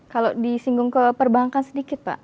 kalau disinggung ke perbankan sedikit pak